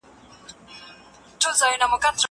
زه به سبا سړو ته خواړه ورکړم!!